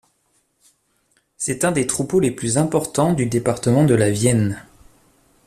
C'est un des troupeaux les plus importants du département de la Vienne.